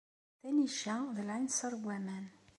Tanicca d lɛinser n waman.